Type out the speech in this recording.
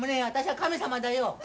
私は神様だよ。